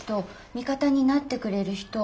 味方になってくれる人。